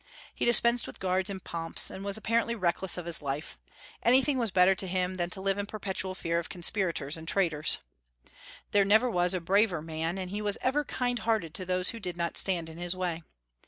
He dispensed with guards and pomps, and was apparently reckless of his life: anything was better to him than to live in perpetual fear of conspirators and traitors. There never was a braver man, and he was ever kind hearted to those who did not stand in his way.